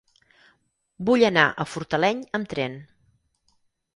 Vull anar a Fortaleny amb tren.